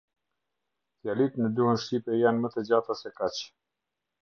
Fjalitë në gjuhën shqipe janë më të gjata se kaq.